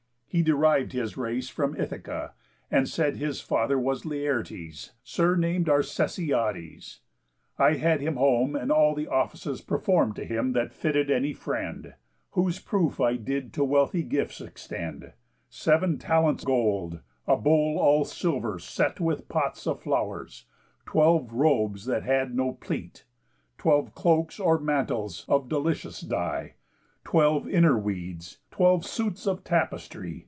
He deriv'd his race From Ithaca, and said his father was Laertes, surnam'd Arcesiades, I had him home, and all the offices Perform'd to him that fitted any friend, Whose proof I did to wealthy gifts extend: Seven talents gold; a bowl all silver, set With pots of flowers; twelve robes that had no pleat! Twelve cloaks, or mantles, of delicious dye; Twelve inner weeds; twelve suits of tapestry.